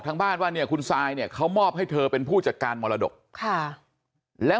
ทางบ้านว่าเนี่ยคุณซายเนี่ยเขามอบให้เธอเป็นผู้จัดการมรดกค่ะแล้ว